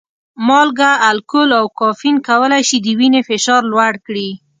مالګه، الکول او کافین کولی شي د وینې فشار لوړ کړي.